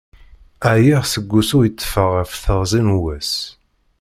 Ԑyiɣ seg usu i ṭṭfeɣ ɣef teɣzi n wass.